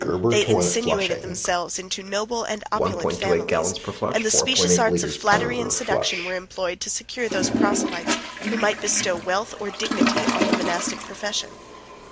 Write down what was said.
They insinuated themselves into noble and opulent families; and the specious arts of flattery and seduction were employed to secure those proselytes who might bestow wealth or dignity on the monastic profession.